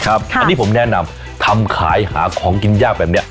อันนี้ผมแนะนำทำขายหาของกินยากแบบนี้